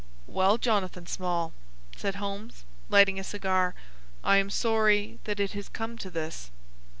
"Well, Jonathan Small," said Holmes, lighting a cigar, "I am sorry that it has come to this."